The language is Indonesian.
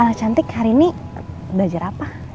anak cantik hari ini belajar apa